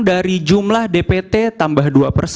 dari jumlah dpt tambah